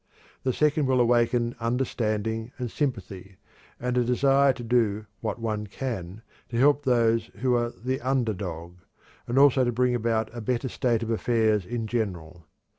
The second will awaken understanding and sympathy, and a desire to do what one can to help those who are "the under dog," and also to bring about a better state of affairs in general.